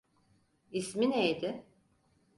İsmi neydi?